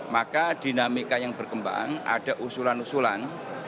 maka dinamika yang berkembang ada usulan usulan